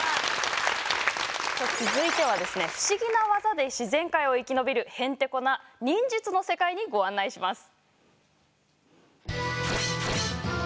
続いてはですね不思議な技で自然界を生き延びるへんてこな忍術の世界にご案内します。